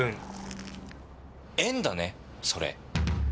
縁だね、それ。